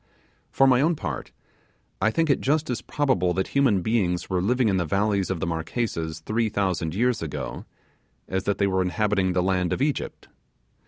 For my own part, I think it just as probable that human beings were living in the valleys of the Marquesas three thousand years ago as that they were inhabiting the land of Egypt.